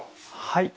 はい。